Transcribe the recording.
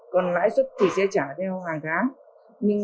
còn lãi xuất thì sẽ trả theo hàng tháng